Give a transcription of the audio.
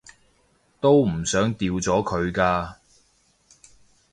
都唔想掉咗佢㗎